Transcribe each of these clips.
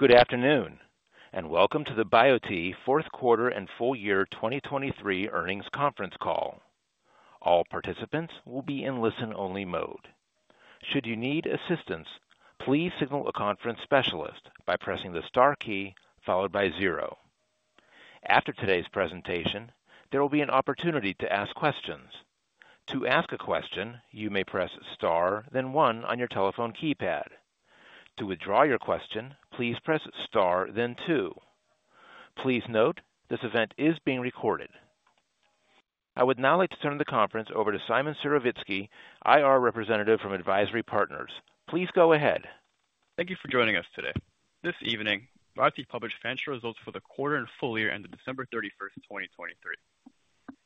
Good afternoon and welcome to the Biote fourth quarter and full year 2023 earnings conference call. All participants will be in listen-only mode. Should you need assistance, please signal a conference specialist by pressing the star key followed by zero. After today's presentation, there will be an opportunity to ask questions. To ask a question, you may press star then one on your telephone keypad. To withdraw your question, please press star then two. Please note, this event is being recorded. I would now like to turn the conference over to Simon Serowiecki, IR representative from Advisory Partners. Please go ahead. Thank you for joining us today. This evening, Biote published financial results for the quarter and full year ended December 31st, 2023.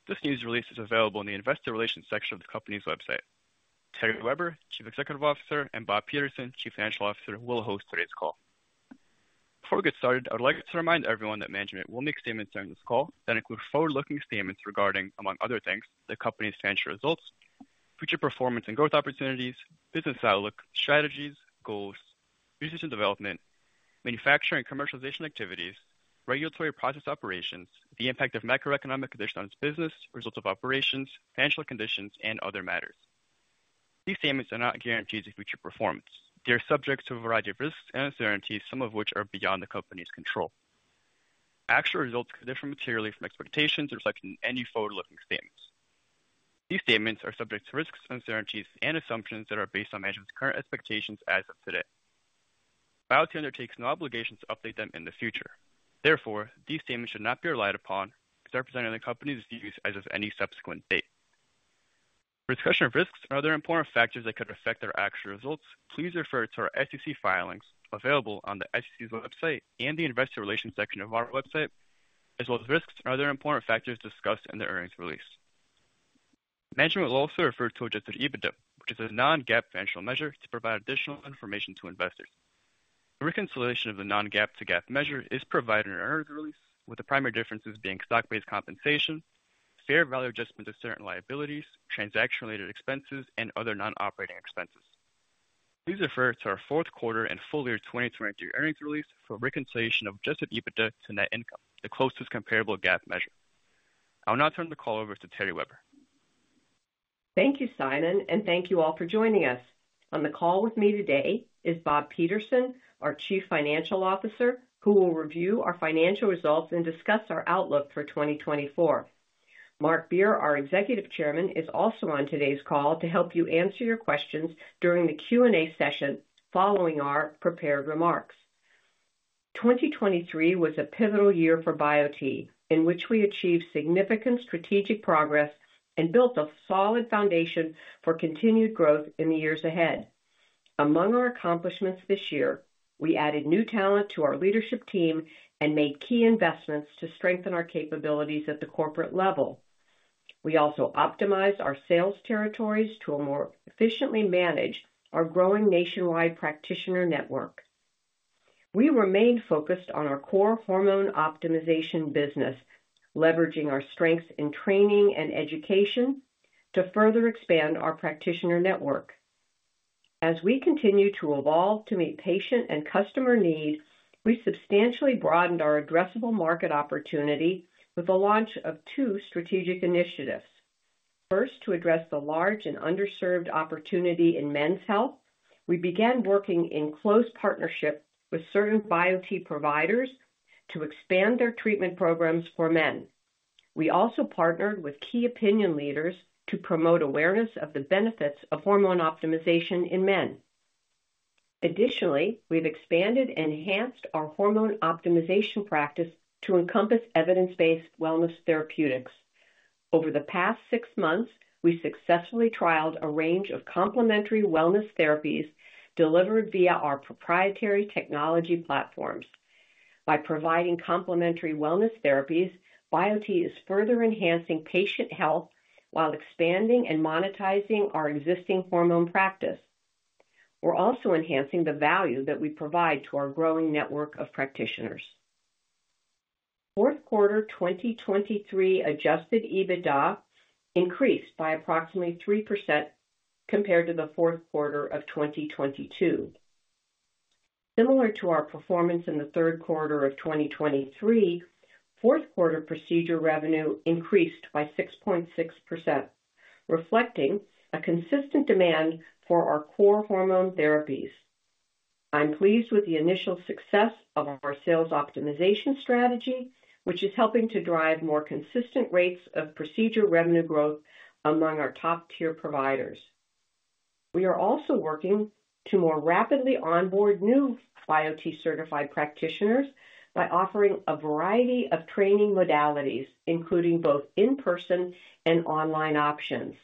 This news release is available in the investor relations section of the company's website. Terry Weber, Chief Executive Officer, and Bob Peterson, Chief Financial Officer, will host today's call. Before we get started, I would like to remind everyone that management will make statements during this call that include forward-looking statements regarding, among other things, the company's financial results, future performance and growth opportunities, business outlook, strategies, goals, research and development, manufacturing and commercialization activities, regulatory process operations, the impact of macroeconomic conditions on its business, results of operations, financial conditions, and other matters. These statements are not guarantees of future performance. They are subject to a variety of risks and uncertainties, some of which are beyond the company's control. Actual results can differ materially from expectations reflected in any forward-looking statements. These statements are subject to risks, uncertainties, and assumptions that are based on management's current expectations as of today. Biote undertakes no obligation to update them in the future. Therefore, these statements should not be relied upon because they are presented in the company's views as of any subsequent date. For discussion of risks and other important factors that could affect their actual results, please refer to our SEC filings available on the SEC's website and the investor relations section of our website, as well as risks and other important factors discussed in the earnings release. Management will also refer to Adjusted EBITDA, which is a non-GAAP financial measure to provide additional information to investors. A reconciliation of the non-GAAP to GAAP measure is provided in our earnings release, with the primary differences being stock-based compensation, fair value adjustment to certain liabilities, transaction-related expenses, and other non-operating expenses. Please refer to our fourth quarter and full year 2023 earnings release for reconciliation of Adjusted EBITDA to net income, the closest comparable GAAP measure. I will now turn the call over to Terry Weber. Thank you, Simon, and thank you all for joining us. On the call with me today is Bob Peterson, our Chief Financial Officer, who will review our financial results and discuss our outlook for 2024. Marc Beer, our Executive Chairman, is also on today's call to help you answer your questions during the Q&A session following our prepared remarks. 2023 was a pivotal year for Biote in which we achieved significant strategic progress and built a solid foundation for continued growth in the years ahead. Among our accomplishments this year, we added new talent to our leadership team and made key investments to strengthen our capabilities at the corporate level. We also optimized our sales territories to more efficiently manage our growing nationwide practitioner network. We remained focused on our core hormone optimization business, leveraging our strengths in training and education to further expand our practitioner network. As we continue to evolve to meet patient and customer need, we substantially broadened our addressable market opportunity with the launch of 2 strategic initiatives. First, to address the large and underserved opportunity in men's health, we began working in close partnership with certain Biote providers to expand their treatment programs for men. We also partnered with key opinion leaders to promote awareness of the benefits of hormone optimization in men. Additionally, we've expanded and enhanced our hormone optimization practice to encompass evidence-based wellness therapeutics. Over the past 6 months, we successfully trialed a range of complementary wellness therapies delivered via our proprietary technology platforms. By providing complementary wellness therapies, Biote is further enhancing patient health while expanding and monetizing our existing hormone practice. We're also enhancing the value that we provide to our growing network of practitioners. Fourth quarter 2023 Adjusted EBITDA increased by approximately 3% compared to the fourth quarter of 2022. Similar to our performance in the third quarter of 2023, fourth quarter procedure revenue increased by 6.6%, reflecting a consistent demand for our core hormone therapies. I'm pleased with the initial success of our sales optimization strategy, which is helping to drive more consistent rates of procedure revenue growth among our top-tier providers. We are also working to more rapidly onboard new Biote certified practitioners by offering a variety of training modalities, including both in-person and online options.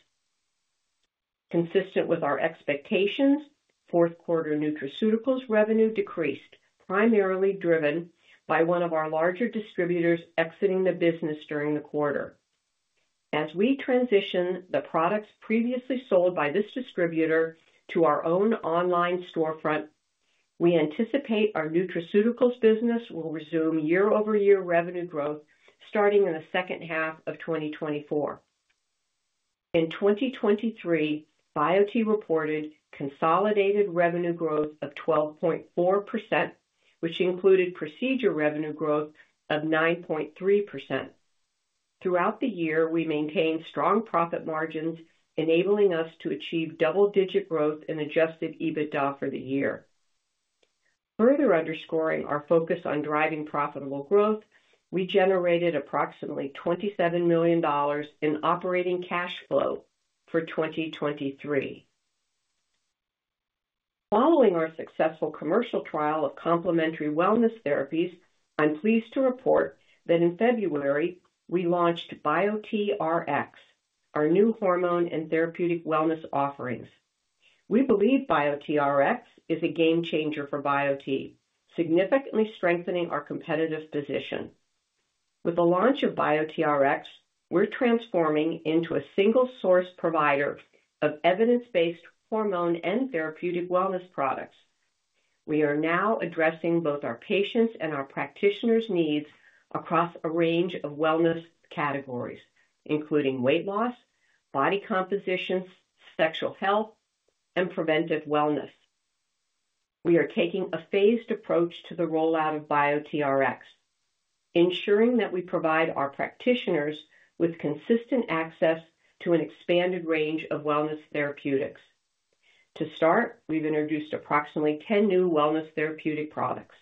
Consistent with our expectations, fourth quarter nutraceuticals revenue decreased, primarily driven by one of our larger distributors exiting the business during the quarter. As we transition the products previously sold by this distributor to our own online storefront, we anticipate our nutraceuticals business will resume year-over-year revenue growth starting in the second half of 2024. In 2023, Biote reported consolidated revenue growth of 12.4%, which included procedure revenue growth of 9.3%. Throughout the year, we maintained strong profit margins, enabling us to achieve double-digit growth in Adjusted EBITDA for the year. Further underscoring our focus on driving profitable growth, we generated approximately $27 million in operating cash flow for 2023. Following our successful commercial trial of complementary wellness therapies, I'm pleased to report that in February, we launched BioteRx, our new hormone and therapeutic wellness offerings. We believe BioteRx is a game-changer for Biote, significantly strengthening our competitive position. With the launch of BioteRx, we're transforming into a single-source provider of evidence-based hormone and therapeutic wellness products. We are now addressing both our patients' and our practitioners' needs across a range of wellness categories, including weight loss, body composition, sexual health, and preventive wellness. We are taking a phased approach to the rollout of BioteRx, ensuring that we provide our practitioners with consistent access to an expanded range of wellness therapeutics. To start, we've introduced approximately 10 new wellness therapeutic products.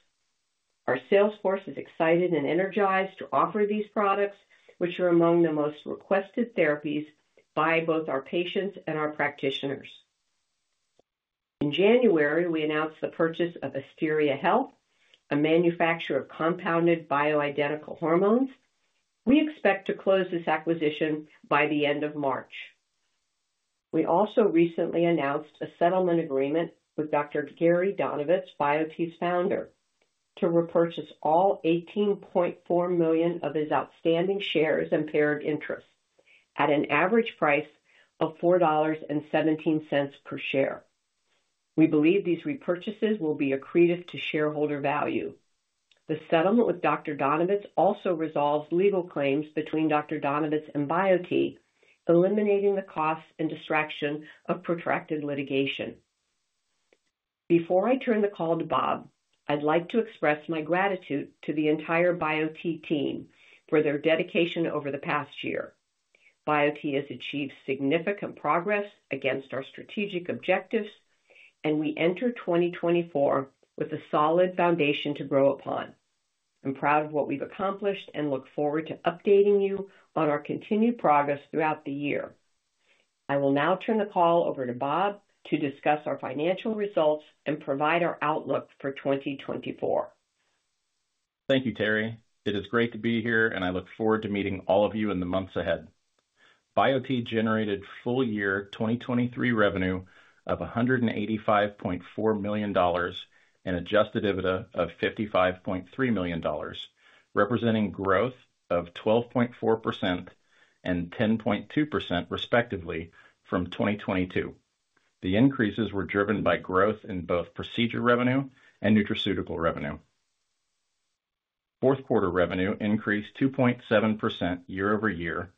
Our salesforce is excited and energized to offer these products, which are among the most requested therapies by both our patients and our practitioners. In January, we announced the purchase of Asteria Health, a manufacturer of compounded bioidentical hormones. We expect to close this acquisition by the end of March. We also recently announced a settlement agreement with Dr. Gary Donovitz, Biote's founder, to repurchase all 18.4 million of his outstanding shares and paired interest at an average price of $4.17 per share. We believe these repurchases will be accretive to shareholder value. The settlement with Dr. Donovitz also resolves legal claims between Dr. Donovitz and Biote, eliminating the costs and distraction of protracted litigation. Before I turn the call to Bob, I'd like to express my gratitude to the entire Biote team for their dedication over the past year. Biote has achieved significant progress against our strategic objectives, and we enter 2024 with a solid foundation to grow upon. I'm proud of what we've accomplished and look forward to updating you on our continued progress throughout the year. I will now turn the call over to Bob to discuss our financial results and provide our outlook for 2024. Thank you, Terry. It is great to be here, and I look forward to meeting all of you in the months ahead. Biote generated full year 2023 revenue of $185.4 million and Adjusted EBITDA of $55.3 million, representing growth of 12.4% and 10.2% respectively from 2022. The increases were driven by growth in both procedure revenue and nutraceutical revenue. Fourth quarter revenue increased 2.7% year-over-year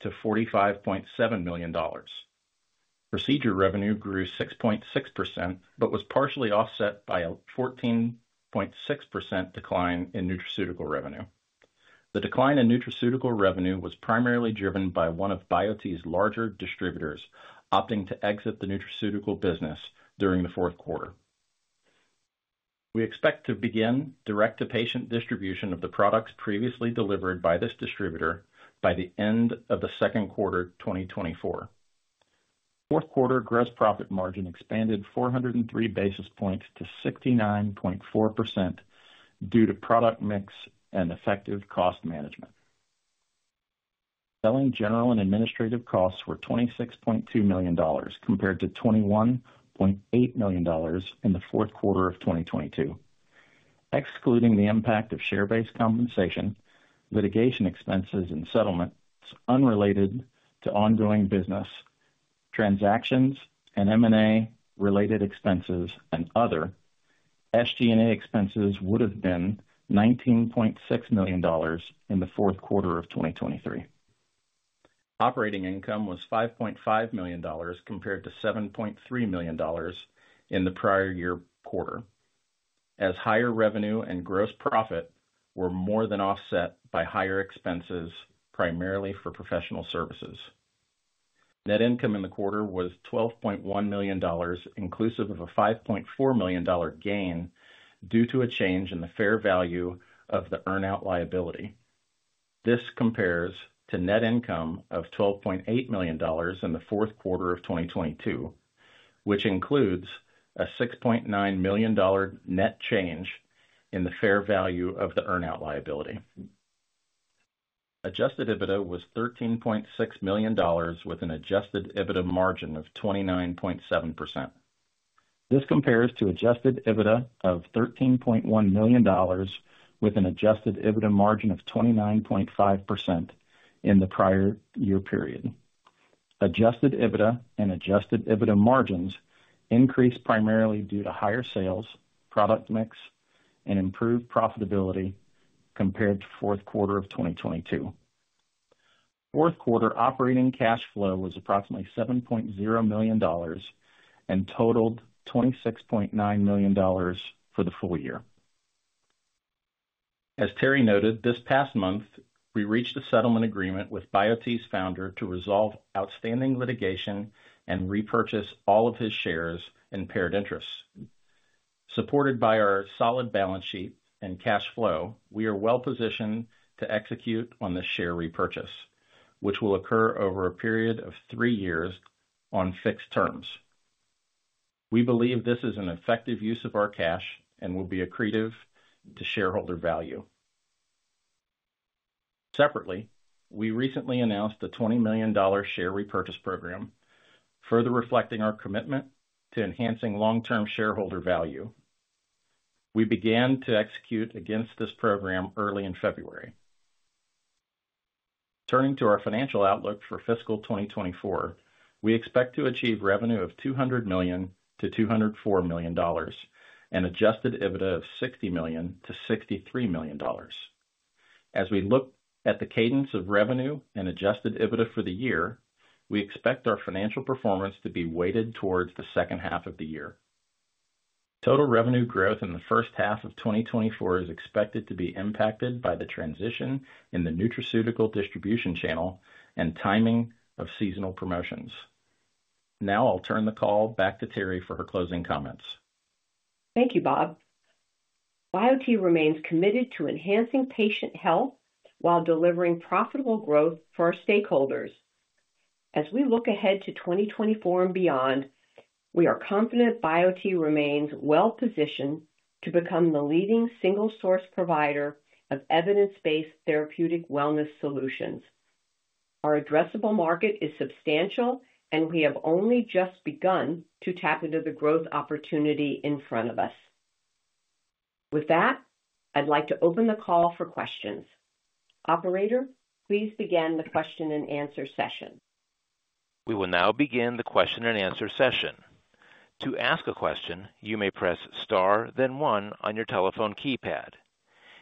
to $45.7 million. Procedure revenue grew 6.6% but was partially offset by a 14.6% decline in nutraceutical revenue. The decline in nutraceutical revenue was primarily driven by one of Biote's larger distributors opting to exit the nutraceutical business during the fourth quarter. We expect to begin direct-to-patient distribution of the products previously delivered by this distributor by the end of the second quarter 2024. Fourth quarter gross profit margin expanded 403 basis points to 69.4% due to product mix and effective cost management. Selling general and administrative costs were $26.2 million compared to $21.8 million in the fourth quarter of 2022. Excluding the impact of share-based compensation, litigation expenses, and settlements unrelated to ongoing business transactions and M&A-related expenses and other, SG&A expenses would have been $19.6 million in the fourth quarter of 2023. Operating income was $5.5 million compared to $7.3 million in the prior year quarter, as higher revenue and gross profit were more than offset by higher expenses, primarily for professional services. Net income in the quarter was $12.1 million, inclusive of a $5.4 million gain due to a change in the fair value of the earn-out liability. This compares to net income of $12.8 million in the fourth quarter of 2022, which includes a $6.9 million net change in the fair value of the earn-out liability. Adjusted EBITDA was $13.6 million with an adjusted EBITDA margin of 29.7%. This compares to Adjusted EBITDA of $13.1 million with an Adjusted EBITDA margin of 29.5% in the prior year period. Adjusted EBITDA and Adjusted EBITDA margins increased primarily due to higher sales, product mix, and improved profitability compared to fourth quarter of 2022. Fourth quarter operating cash flow was approximately $7.0 million and totaled $26.9 million for the full year. As Terry noted, this past month, we reached a settlement agreement with Biote's founder to resolve outstanding litigation and repurchase all of his shares and paired interest. Supported by our solid balance sheet and cash flow, we are well positioned to execute on this share repurchase, which will occur over a period of three years on fixed terms. We believe this is an effective use of our cash and will be accretive to shareholder value. Separately, we recently announced the $20 million share repurchase program, further reflecting our commitment to enhancing long-term shareholder value. We began to execute against this program early in February. Turning to our financial outlook for fiscal 2024, we expect to achieve revenue of $200 million-$204 million and Adjusted EBITDA of $60 million-$63 million. As we look at the cadence of revenue and Adjusted EBITDA for the year, we expect our financial performance to be weighted towards the second half of the year. Total revenue growth in the first half of 2024 is expected to be impacted by the transition in the nutraceutical distribution channel and timing of seasonal promotions. Now I'll turn the call back to Terry for her closing comments. Thank you, Bob. Biote remains committed to enhancing patient health while delivering profitable growth for our stakeholders. As we look ahead to 2024 and beyond, we are confident Biote remains well positioned to become the leading single-source provider of evidence-based therapeutic wellness solutions. Our addressable market is substantial, and we have only just begun to tap into the growth opportunity in front of us. With that, I'd like to open the call for questions. Operator, please begin the question and answer session. We will now begin the question and answer session. To ask a question, you may press star, then one on your telephone keypad.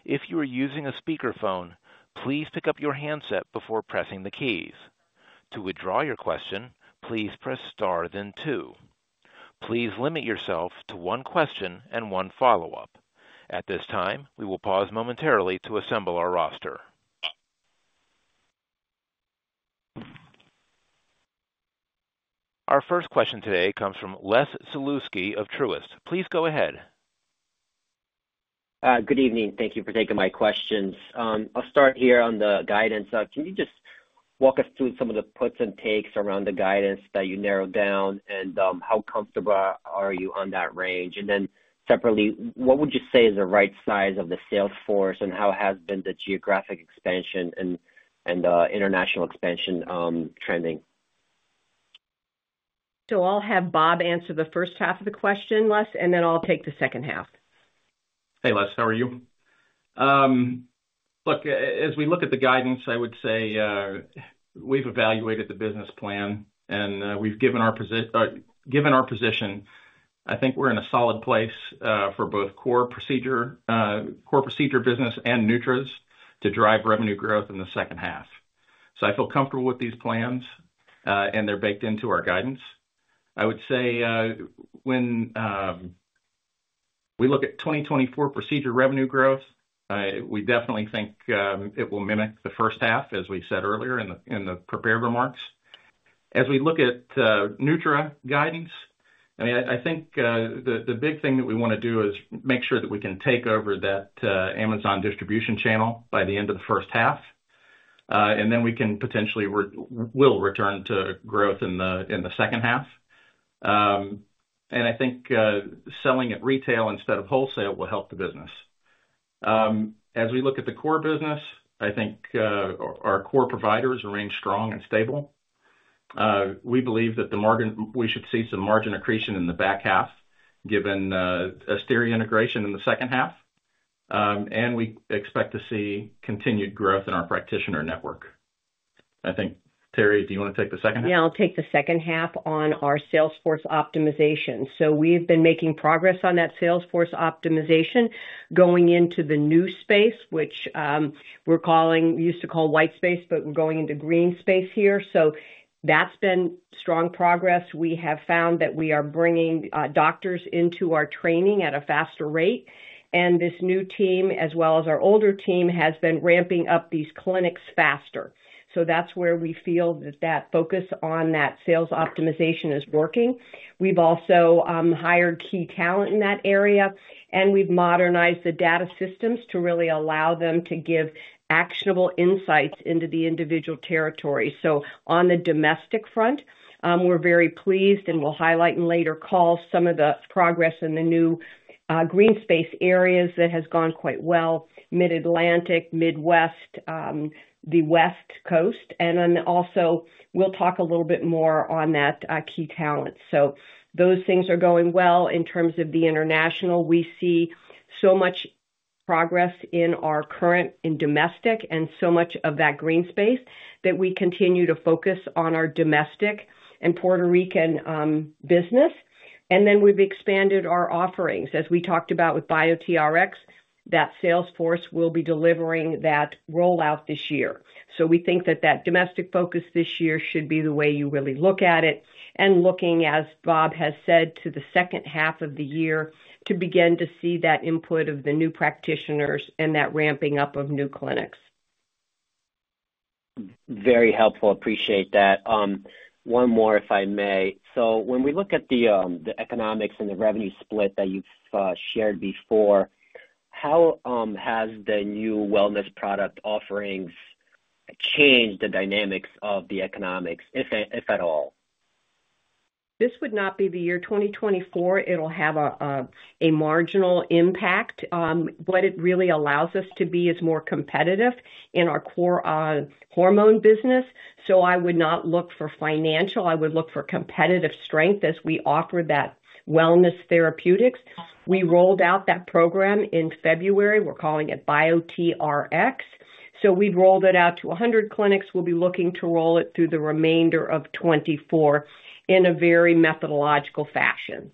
If you are using a speakerphone, please pick up your handset before pressing the keys. To withdraw your question, please press star, then two. Please limit yourself to one question and one follow-up. At this time, we will pause momentarily to assemble our roster. Our first question today comes from Les Sulewski of Truist. Please go ahead. Good evening. Thank you for taking my questions. I'll start here on the guidance. Can you just walk us through some of the puts and takes around the guidance that you narrowed down, and how comfortable are you on that range? And then separately, what would you say is the right size of the sales force, and how has the geographic expansion and international expansion been trending? I'll have Bob answer the first half of the question, Les, and then I'll take the second half. Hey, Les. How are you? Look, as we look at the guidance, I would say we've evaluated the business plan, and we've given our position. I think we're in a solid place for both core procedure business and Nutras to drive revenue growth in the second half. So I feel comfortable with these plans, and they're baked into our guidance. I would say when we look at 2024 procedure revenue growth, we definitely think it will mimic the first half, as we said earlier in the prepared remarks. As we look at Nutra guidance, I mean, I think the big thing that we want to do is make sure that we can take over that Amazon distribution channel by the end of the first half, and then we can potentially we'll return to growth in the second half. I think selling at retail instead of wholesale will help the business. As we look at the core business, I think our core providers remain strong and stable. We believe that we should see some margin accretion in the back half given Asteria integration in the second half, and we expect to see continued growth in our practitioner network. I think, Terry, do you want to take the second half? Yeah, I'll take the second half on our salesforce optimization. We've been making progress on that salesforce optimization going into the new space, which we're calling we used to call white space, but we're going into green space here. That's been strong progress. We have found that we are bringing doctors into our training at a faster rate, and this new team, as well as our older team, has been ramping up these clinics faster. That's where we feel that that focus on that sales optimization is working. We've also hired key talent in that area, and we've modernized the data systems to really allow them to give actionable insights into the individual territory. So on the domestic front, we're very pleased, and we'll highlight in later calls some of the progress in the new green space areas that has gone quite well: Mid-Atlantic, Midwest, the West Coast, and then also we'll talk a little bit more on that key talent. So those things are going well. In terms of the international, we see so much progress in our current and domestic and so much of that green space that we continue to focus on our domestic and Puerto Rican business. And then we've expanded our offerings. As we talked about with Biote Rx, that salesforce will be delivering that rollout this year. So we think that that domestic focus this year should be the way you really look at it, and looking, as Bob has said, to the second half of the year to begin to see that input of the new practitioners and that ramping up of new clinics. Very helpful. Appreciate that. One more, if I may. So when we look at the economics and the revenue split that you've shared before, how has the new wellness product offerings changed the dynamics of the economics, if at all? This would not be the year 2024. It'll have a marginal impact. What it really allows us to be is more competitive in our core hormone business. So I would not look for financial. I would look for competitive strength as we offer that wellness therapeutics. We rolled out that program in February. We're calling it Biote Rx. So we've rolled it out to 100 clinics. We'll be looking to roll it through the remainder of 2024 in a very methodological fashion,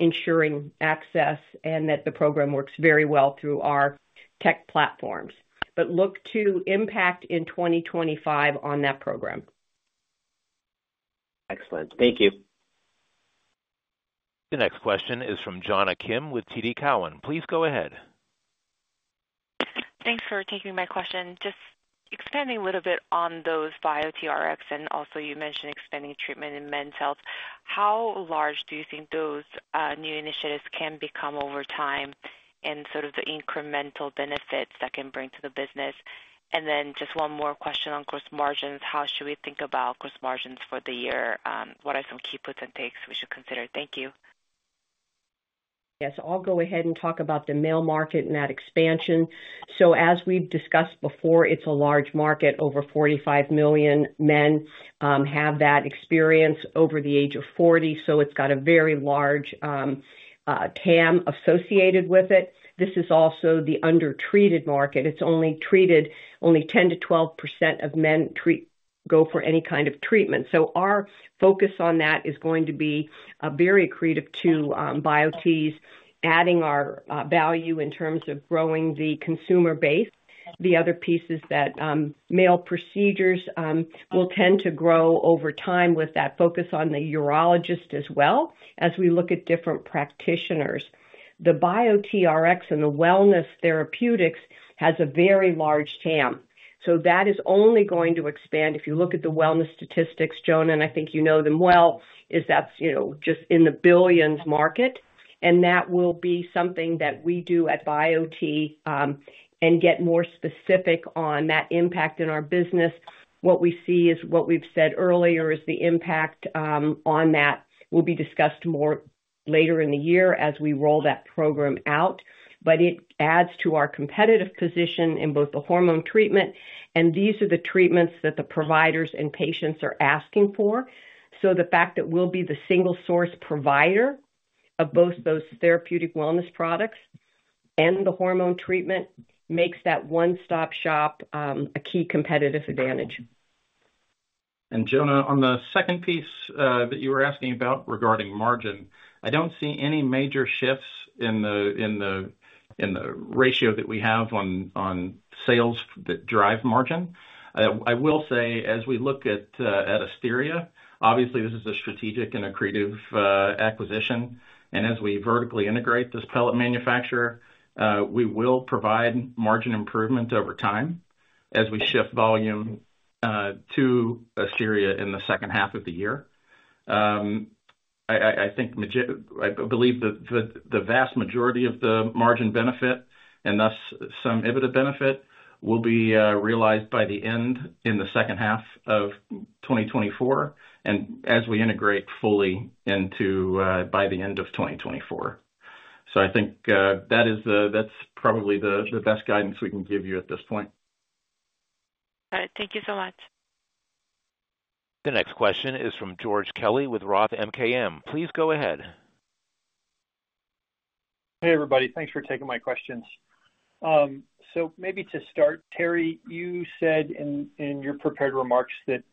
ensuring access and that the program works very well through our tech platforms. But look to impact in 2025 on hat program. Excellent. Thank you. The next question is from Jonna Kim with TD Cowen. Please go ahead. Thanks for taking my question. Just expanding a little bit on those Biote Rx, and also you mentioned expanding treatment in men's health. How large do you think those new initiatives can become over time and sort of the incremental benefits that can bring to the business? And then just one more question on gross margins. How should we think about gross margins for the year? What are some key puts and takes we should consider? Thank you. Yes. I'll go ahead and talk about the male market and that expansion. So as we've discussed before, it's a large market. Over 45 million men have that experience over the age of 40, so it's got a very large TAM associated with it. This is also the undertreated market. It's only treated. Only 10%-12% of men go for any kind of treatment. So our focus on that is going to be very accretive to Biote's, adding our value in terms of growing the consumer base. The other piece is that male procedures will tend to grow over time with that focus on the urologist as well as we look at different practitioners. The Biote Rx and the wellness therapeutics has a very large TAM. So that is only going to expand if you look at the wellness statistics, Jonna, and I think you know them well. It's just in the billions market. And that will be something that we do at Biote and get more specific on that impact in our business. What we see is what we've said earlier is the impact on that will be discussed more later in the year as we roll that program out. But it adds to our competitive position in both the hormone treatment, and these are the treatments that the providers and patients are asking for. So the fact that we'll be the single-source provider of both those therapeutic wellness products and the hormone treatment makes that one-stop shop a key competitive advantage. Jonna, on the second piece that you were asking about regarding margin, I don't see any major shifts in the ratio that we have on sales that drive margin. I will say, as we look at Asteria, obviously, this is a strategic and accretive acquisition. And as we vertically integrate this pellet manufacturer, we will provide margin improvement over time as we shift volume to Asteria in the second half of the year. I believe that the vast majority of the margin benefit and thus some EBITDA benefit will be realized by the end in the second half of 2024 and as we integrate fully by the end of 2024. So I think that's probably the best guidance we can give you at this point. All right. Thank you so much. The next question is from George Kelly with Roth MKM. Please go ahead. Hey, everybody. Thanks for taking my questions. So maybe to start, Terry, you said in your prepared remarks that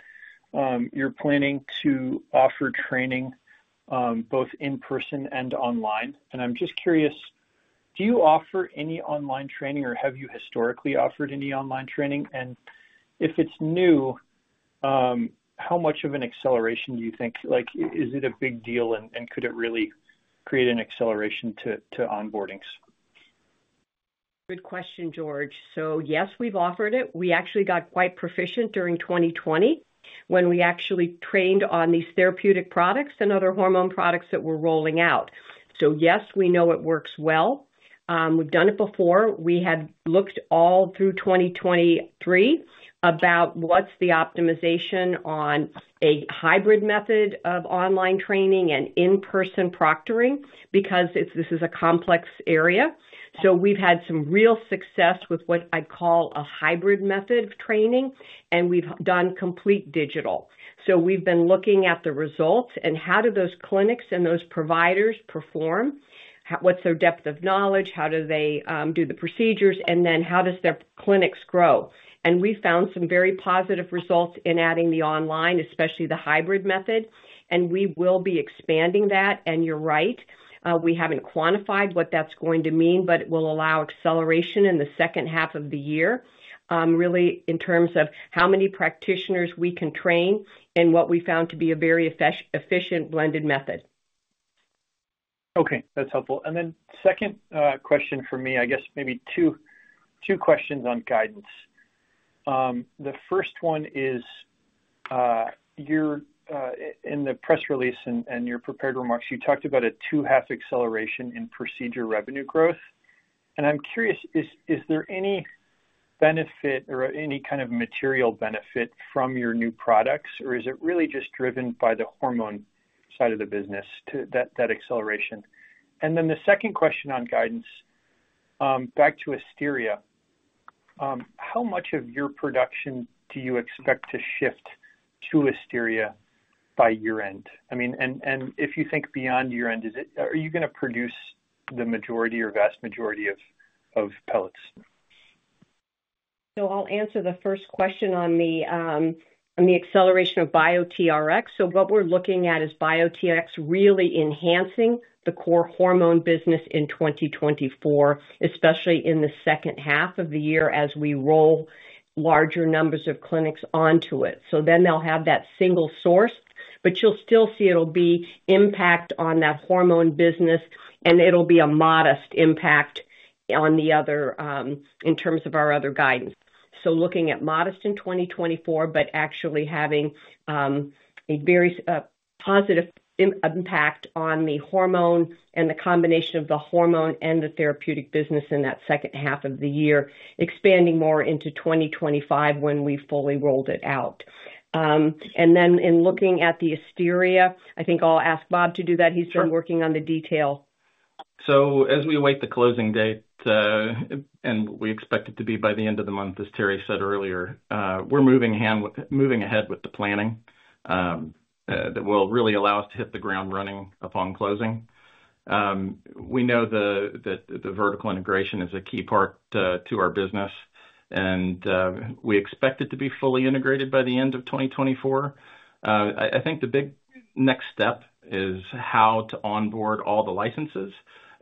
you're planning to offer training both in-person and online. And I'm just curious, do you offer any online training, or have you historically offered any online training? And if it's new, how much of an acceleration do you think is it a big deal, and could it really create an acceleration to onboardings? Good question, George. Yes, we've offered it. We actually got quite proficient during 2020 when we actually trained on these therapeutic products and other hormone products that were rolling out. Yes, we know it works well. We've done it before. We had looked all through 2023 about what's the optimization on a hybrid method of online training and in-person proctoring because this is a complex area. We've had some real success with what I'd call a hybrid method of training, and we've done complete digital. We've been looking at the results and how do those clinics and those providers perform? What's their depth of knowledge? How do they do the procedures? And then how does their clinics grow? We found some very positive results in adding the online, especially the hybrid method. We will be expanding that. You're right. We haven't quantified what that's going to mean, but it will allow acceleration in the second half of the year, really, in terms of how many practitioners we can train and what we found to be a very efficient blended method. Okay. That's helpful. And then second question for me, I guess maybe two questions on guidance. The first one is in the press release and your prepared remarks, you talked about a second-half acceleration in procedure revenue growth. And I'm curious, is there any benefit or any kind of material benefit from your new products, or is it really just driven by the hormone side of the business, that acceleration? And then the second question on guidance, back to Asteria, how much of your production do you expect to shift to Asteria by year-end? I mean, and if you think beyond year-end, are you going to produce the majority or vast majority of pellets? So I'll answer the first question on the acceleration of Biote Rx. So what we're looking at is Biote Rx really enhancing the core hormone business in 2024, especially in the second half of the year as we roll larger numbers of clinics onto it. So then they'll have that single source, but you'll still see it'll be impact on that hormone business, and it'll be a modest impact in terms of our other guidance. So looking at modest in 2024 but actually having a very positive impact on the hormone and the combination of the hormone and the therapeutic business in that second half of the year, expanding more into 2025 when we fully rolled it out. And then in looking at the Asteria, I think I'll ask Bob to do that. He's been working on the detail. As we await the closing date, and we expect it to be by the end of the month, as Terry said earlier, we're moving ahead with the planning that will really allow us to hit the ground running upon closing. We know that the vertical integration is a key part to our business, and we expect it to be fully integrated by the end of 2024. I think the big next step is how to onboard all the licenses.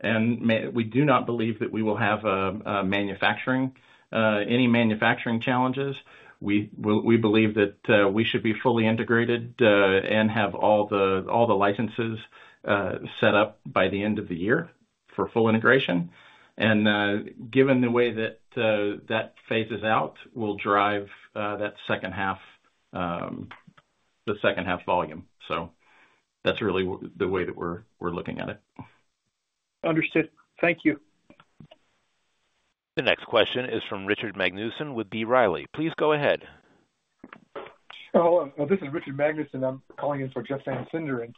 We do not believe that we will have any manufacturing challenges. We believe that we should be fully integrated and have all the licenses set up by the end of the year for full integration. Given the way that that phases out, we'll drive the second half volume. So that's really the way that we're looking at it. Understood. Thank you. The next question is from Richard Magnusen with B. Riley. Please go ahead. Hello. This is Richard Magnusen. I'm calling in for Jeff Van Sinderen.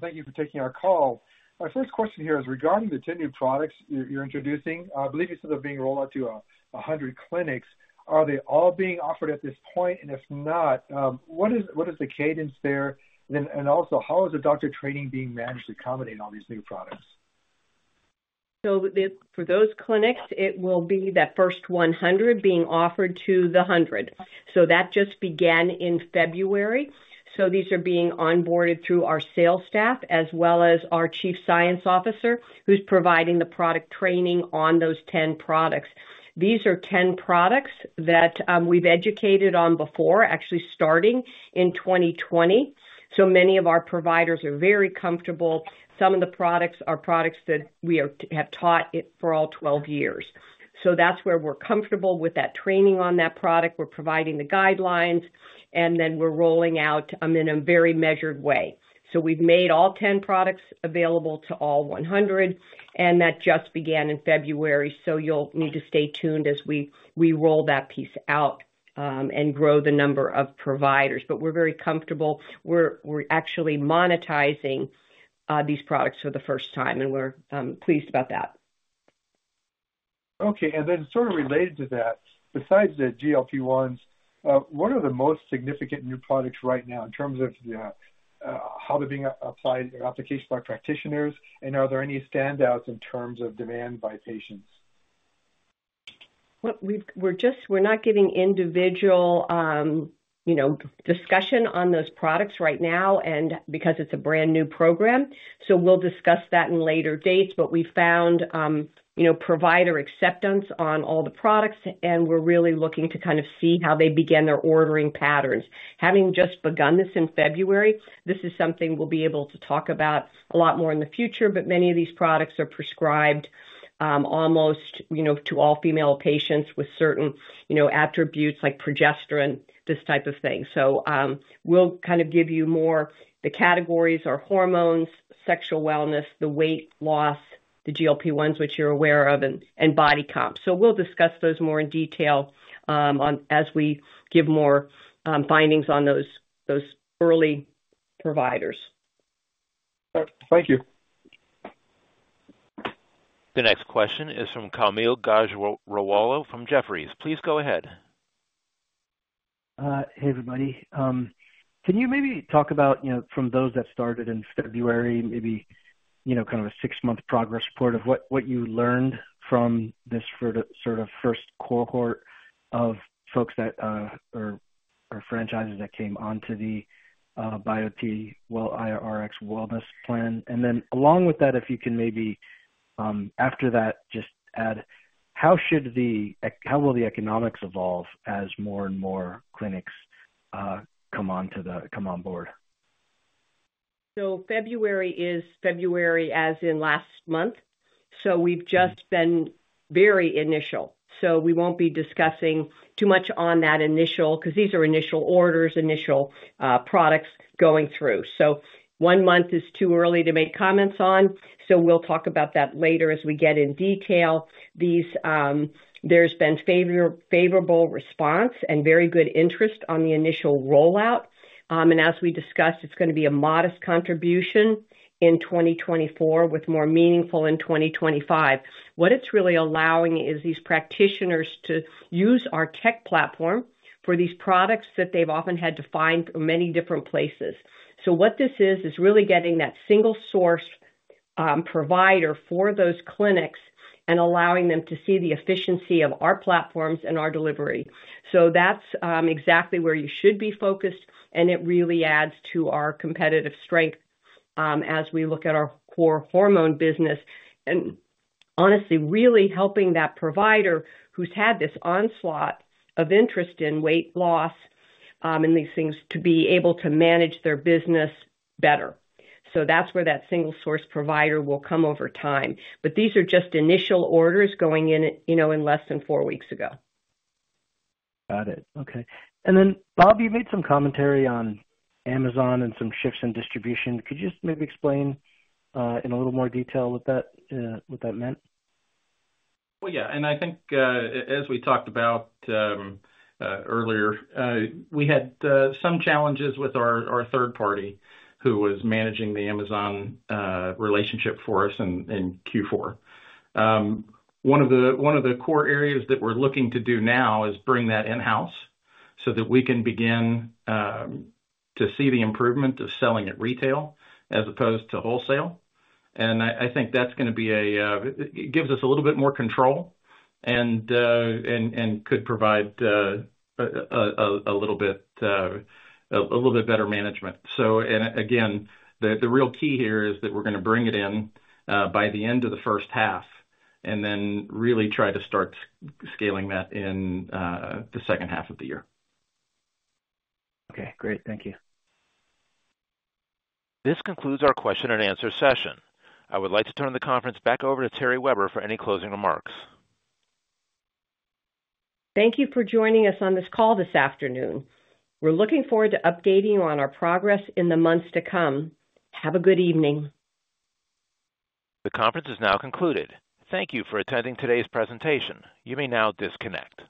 Thank you for taking our call. My first question here is regarding the 10 new products you're introducing. I believe you said they're being rolled out to 100 clinics. Are they all being offered at this point? And if not, what is the cadence there? And also, how is the doctor training being managed to accommodate all these new products? So for those clinics, it will be that first 100 being offered to the 100. So that just began in February. So these are being onboarded through our sales staff as well as our Chief Science Officer who's providing the product training on those 10 products. These are 10 products that we've educated on before, actually starting in 2020. So many of our providers are very comfortable. Some of the products are products that we have taught for all 12 years. So that's where we're comfortable with that training on that product. We're providing the guidelines, and then we're rolling out in a very measured way. So we've made all 10 products available to all 100, and that just began in February. So you'll need to stay tuned as we roll that piece out and grow the number of providers. But we're very comfortable. We're actually monetizing these products for the first time, and we're pleased about that. Okay. And then sort of related to that, besides the GLP-1s, what are the most significant new products right now in terms of how they're being applied or application by practitioners? And are there any standouts in terms of demand by patients? We're not getting individual discussion on those products right now because it's a brand new program. So we'll discuss that in later dates. But we found provider acceptance on all the products, and we're really looking to kind of see how they began their ordering patterns. Having just begun this in February, this is something we'll be able to talk about a lot more in the future. But many of these products are prescribed almost to all female patients with certain attributes like progesterone, this type of thing. So we'll kind of give you more. The categories are hormones, sexual wellness, the weight loss, the GLP-1s, which you're aware of, and body comp. So we'll discuss those more in detail as we give more findings on those early providers. Thank you. The next question is from Kaumil Gajrawala from Jefferies. Please go ahead. Hey, everybody. Can you maybe talk about from those that started in February, maybe kind of a six-month progress report of what you learned from this sort of first cohort of folks or franchises that came onto the Biote Rx wellness plan? And then along with that, if you can maybe after that, just add, how will the economics evolve as more and more clinics come onboard? So, February is February, as in last month. So, we've just been very initial. So, we won't be discussing too much on that initial because these are initial orders, initial products going through. So, one month is too early to make comments on. So, we'll talk about that later as we get in detail. There's been favorable response and very good interest on the initial rollout. And as we discussed, it's going to be a modest contribution in 2024 with more meaningful in 2025. What it's really allowing is these practitioners to use our tech platform for these products that they've often had to find through many different places. So, what this is, is really getting that single-source provider for those clinics and allowing them to see the efficiency of our platforms and our delivery. So, that's exactly where you should be focused. It really adds to our competitive strength as we look at our core hormone business and honestly, really helping that provider who's had this onslaught of interest in weight loss and these things to be able to manage their business better. That's where that single-source provider will come over time. These are just initial orders going in less than four weeks ago. Got it. Okay. And then, Bob, you made some commentary on Amazon and some shifts in distribution. Could you just maybe explain in a little more detail what that meant? Well, yeah. And I think as we talked about earlier, we had some challenges with our third party who was managing the Amazon relationship for us in Q4. One of the core areas that we're looking to do now is bring that in-house so that we can begin to see the improvement of selling at retail as opposed to wholesale. And I think that's going to be it gives us a little bit more control and could provide a little bit better management. And again, the real key here is that we're going to bring it in by the end of the first half and then really try to start scaling that in the second half of the year. Okay. Great. Thank you. This concludes our question-and-answer session. I would like to turn the conference back over to Terry Weber for any closing remarks. Thank you for joining us on this call this afternoon. We're looking forward to updating you on our progress in the months to come. Have a good evening. The conference is now concluded. Thank you for attending today's presentation. You may now disconnect.